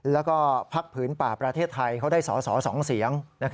แล้วก็พักผืนป่าประเทศไทยเขาได้สอสอ๒เสียง